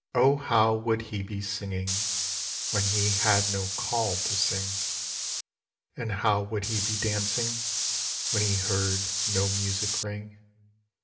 how would he be singing when he had no call to sing ? And how would he be dancing when he heard no music ring